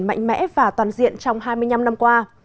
phát triển mạnh mẽ và toàn diện trong hai mươi năm năm qua